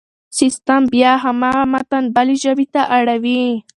سيستم بيا هماغه متن بلې ژبې ته اړوي.